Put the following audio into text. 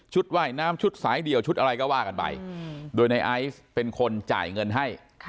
ว่ายน้ำชุดสายเดี่ยวชุดอะไรก็ว่ากันไปโดยในไอซ์เป็นคนจ่ายเงินให้